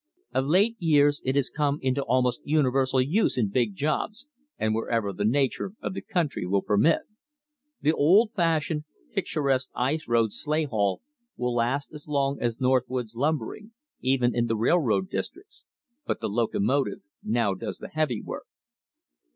Of late years it has come into almost universal use in big jobs and wherever the nature of the country will permit. The old fashioned, picturesque ice road sleigh haul will last as long as north woods lumbering, even in the railroad districts, but the locomotive now does the heavy work.